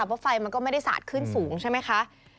เพราะไฟมันก็ไม่ได้สาดขึ้นสูงใช่ไหมคะ